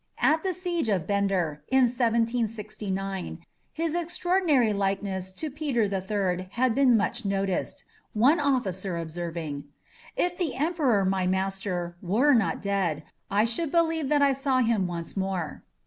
At the siege of Bender, in 1769, his extraordinary likeness to Peter the Third had been much noticed, one officer observing, "If the Emperor, my master, were not dead, I should believe that I saw him once more."